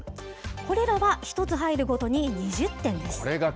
これらは１つ入るごとに２０点です。